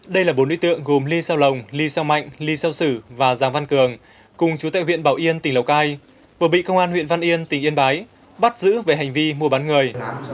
đây là bốn nữ tượng gồm lê sao lồng ly sang mạnh ly sao sử và giang văn cường cùng chú tại huyện bảo yên tỉnh lào cai vừa bị công an huyện văn yên tỉnh yên bái bắt giữ về hành vi mua bán người